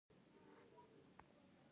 په مقابل کې سره زر په بازار کې ډیر زیات دي.